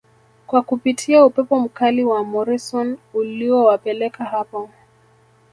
kwa kupitia upepo mkali wa Morisoon uliowapeleka hapo